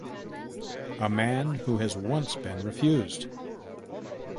A man who has once been refused!